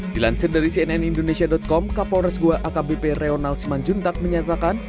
dilansir dari cnn indonesia com kapolres goa akbp reonal simanjuntak menyatakan